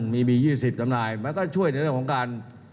มี๒๐จำหน่ายมันก็ช่วยในเรื่องของการ